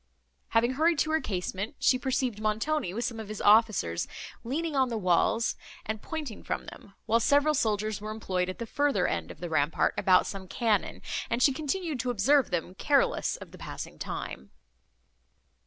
Having hurried to her casement, she perceived Montoni, with some of his officers, leaning on the walls, and pointing from them; while several soldiers were employed at the further end of the rampart about some cannon; and she continued to observe them, careless of the passing time.